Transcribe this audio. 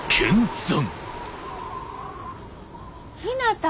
ひなた。